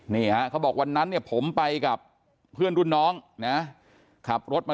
เขาบอกวันนั้นเนี่ยผมไปกับเพื่อนรุ่นน้องนะขับรถมา